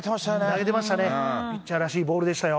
投げてましたね、ピッチャーらしいボールでしたよ。